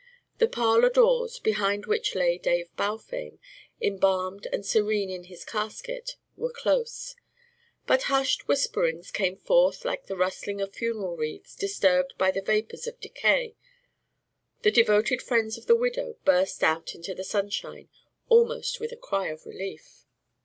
The parlour doors, behind which lay David Balfame, embalmed and serene in his casket, were closed, but hushed whisperings came forth like the rustling of funeral wreaths disturbed by the vapours of decay. The devoted friends of the widow burst out into the sunshine almost with a cry of relief.